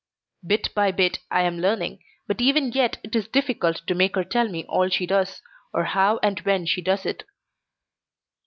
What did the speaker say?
Bit by bit I am learning, but even yet it is difficult to make her tell me all she does, or how and when she does it.